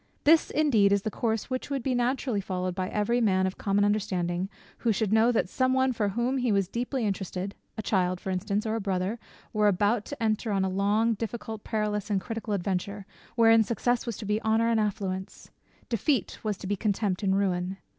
This is indeed the course which would be naturally followed by every man of common understanding, who should know that some one for whom he was deeply interested, a child, for instance, or a brother, were about to enter on a long, difficult, perilous, and critical adventure, wherein success was to be honour and affluence; defeat was to be contempt and ruin.